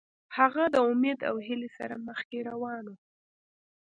هغه د امید او هیلې سره مخکې روان و.